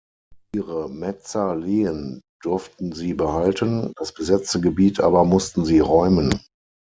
Ihre Metzer Lehen durften sie behalten, das besetzte Gebiet aber mussten sie räumen.